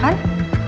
oke kak noh